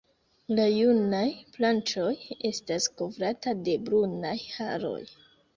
La junaj branĉoj estas kovrata de brunaj haroj.